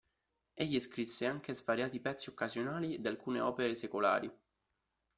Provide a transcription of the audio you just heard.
Egli scrisse anche svariati pezzi "occasionali" ed alcune opere secolari.